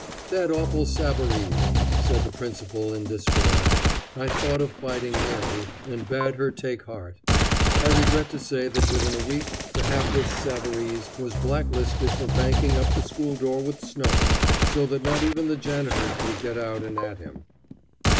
"That awful Savarese," said the principal in despair. I thought of Fighting Mary, and bade her take heart. I regret to say that within a week the hapless Savarese was black listed for banking up the school door with snow, so that not even the janitor could get out and at him.